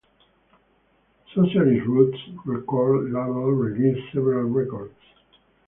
Socialist Roots record label released several records.